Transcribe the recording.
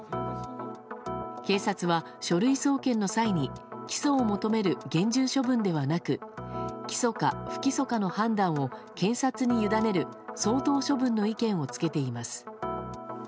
警察は、書類送検の際に起訴を求める厳重処分ではなく起訴か不起訴かの判断を検察に委ねる相当処分の意見を付けています。